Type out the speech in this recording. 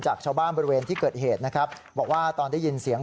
จากชาวบ้านบริเวณที่เกิดเหตุนะครับบอกว่าตอนได้ยินเสียง